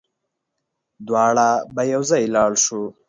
دواړه به يوځای لاړ شو